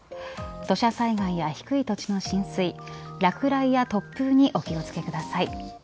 土砂災害や低い土地の浸水落雷や突風にお気を付けください。